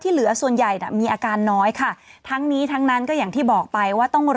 หรือว่าไม่มีอาการเลย